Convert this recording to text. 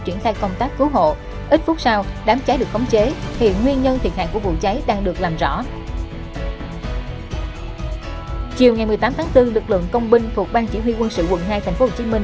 chiều ngày một mươi tám tháng bốn lực lượng công binh thuộc bang chỉ huy quân sự quận hai tp hcm